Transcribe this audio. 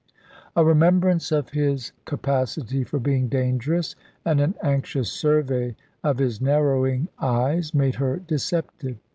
A remembrance of his capacity for being dangerous, and an anxious survey of his narrowing eyes, made her deceptive.